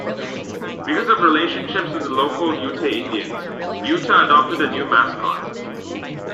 Because of relationships with the local Ute Indians, Utah adopted a new mascot.